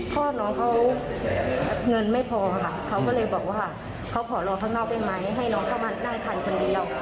พ่อน้องเขาเงินไม่พอค่ะเขาก็เลยบอกว่าเขาขอรอข้างนอกได้ไหมให้น้องเข้ามาได้ทันคนเดียว